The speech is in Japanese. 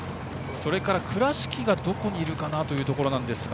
倉敷がどこにいるかなというところですが。